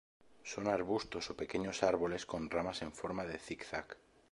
Son arbustos o pequeños árboles con ramas en forma de zigzag.